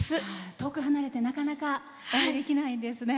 遠く離れてなかなかお会いできないんですね。